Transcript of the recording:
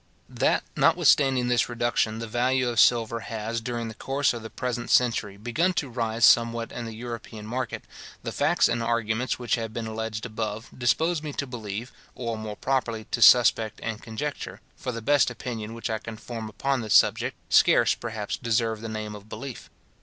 That, notwithstanding this reduction, the value of silver has, during the course of the present century, begun to rise somewhat in the European market, the facts and arguments which have been alleged above, dispose me to believe, or more properly to suspect and conjecture; for the best opinion which I can form upon this subject, scarce, perhaps, deserves the name of belief.